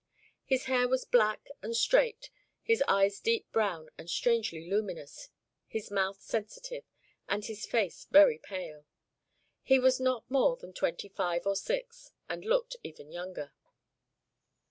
His hair was black and straight, his eyes deep brown and strangely luminous, his mouth sensitive, and his face very pale. He was not more than twenty five or six, and looked even younger.